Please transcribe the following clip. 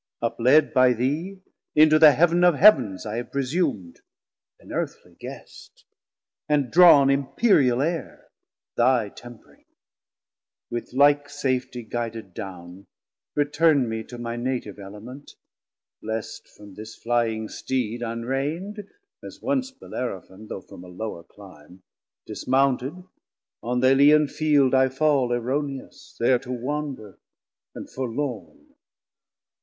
Up led by thee Into the Heav'n of Heav'ns I have presum'd, An Earthlie Guest, and drawn Empyreal Aire, Thy tempring; with like safetie guided down Return me to my Native Element: Least from this flying Steed unrein'd, (as once Bellerophon, though from a lower Clime) Dismounted, on th' Aleian Field I fall Erroneous, there to wander and forlorne.